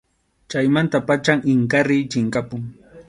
Chaymanta pacham Inkariy chinkapun.